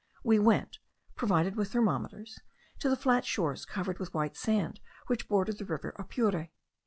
We went, provided with thermometers, to the flat shores covered with white sand which border the river Apure.